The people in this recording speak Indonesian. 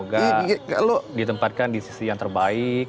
juga ditempatkan di sisi yang terbaik